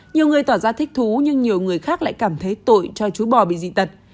nhiều người tỏ ra thích thú nhưng nhiều người khác lại cảm thấy tội cho chú bò bị dị tật